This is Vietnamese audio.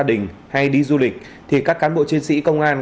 đi bà đình hay đi du lịch thì các cán bộ chiến sĩ công an